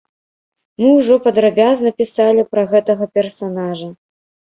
Мы ўжо падрабязна пісалі пра гэтага персанажа.